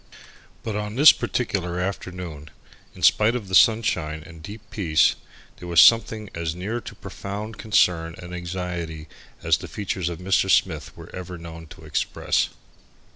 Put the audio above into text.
But on this particular afternoon, in spite of the sunshine and deep peace, there was something as near to profound concern and anxiety as the features of Mr. Smith were ever known to express.